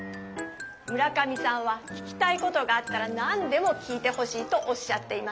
村上さんは聞きたいことがあったら何でも聞いてほしいとおっしゃっていました。